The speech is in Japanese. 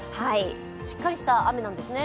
しっかりした雨なんですね？